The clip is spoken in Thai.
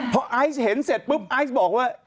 พอไอซ์เห็นเสร็จปุ๊บไอซ์บอกว่า